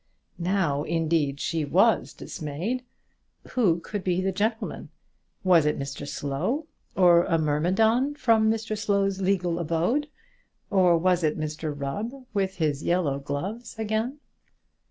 Now, indeed, she was dismayed. Who could be the gentleman? Was it Mr Slow, or a myrmidon from Mr Slow's legal abode? Or was it Mr Rubb with his yellow gloves again?